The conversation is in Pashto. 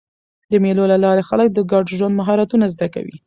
د مېلو له لاري خلک د ګډ ژوند مهارتونه زده کوي.